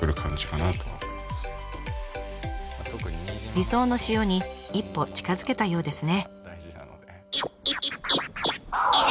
理想の塩に一歩近づけたようですね。